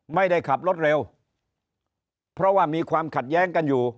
ไม่ได้ขับรถเร็วเพราะว่ามีความขัดแย้งกันอยู่